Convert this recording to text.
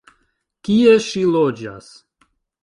Kie ŝi loĝas?